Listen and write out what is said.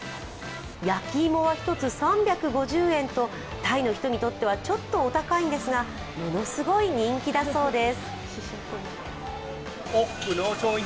焼き芋は１つ３５０円とタイの人にとってはちょっとお高いんですがものすごい人気だそうです。